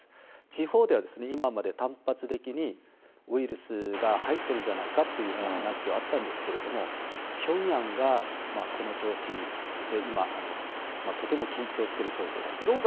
地方では、今まで単発的にウイルスが入ってるんじゃないかって話はあったんですけれども、ピョンヤンがこの調子で、今、とても緊張している状況だと思います。